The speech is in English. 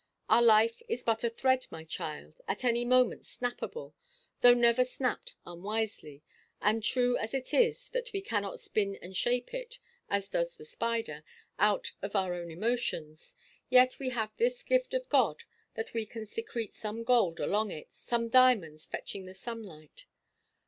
Our life is but a thread, my child, at any moment snappable, though never snapped unwisely; and true as it is that we cannot spin and shape it (as does the spider) out of our own emotions, yet we have this gift of God, that we can secrete some gold along it, some diamonds fetching the sunlight.